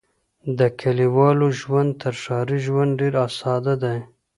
د کليوالو ژوند تر ښاري ژوند ډېر ساده دی.